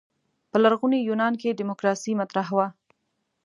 په لرغوني یونان کې دیموکراسي مطرح وه.